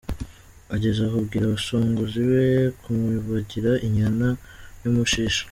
Ageze aho abwira abasongozi be kumubagira inyana y’umushishe.